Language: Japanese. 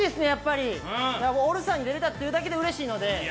やっぱりオールスターに出れるってだけでうれしいので。